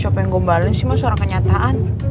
siapa yang gobalin sih mas orang kenyataan